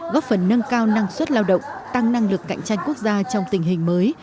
góp phần nâng cao năng suất lao động tăng năng lực cạnh tranh quốc gia trong tình hình mới